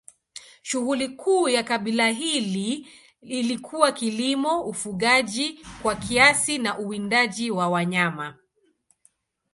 Shughuli kuu ya kabila hili ilikuwa kilimo, ufugaji kwa kiasi na uwindaji wa wanyama.